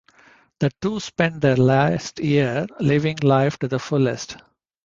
The two spend their last year living life to the fullest.